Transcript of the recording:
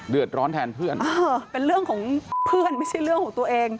ร้อนแทนเพื่อนเป็นเรื่องของเพื่อนไม่ใช่เรื่องของตัวเอง